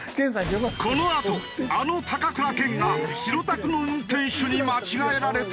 このあとあの高倉健が白タクの運転手に間違えられた！？